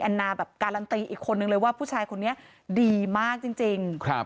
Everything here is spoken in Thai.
นาแบบการันตีอีกคนนึงเลยว่าผู้ชายคนนี้ดีมากจริง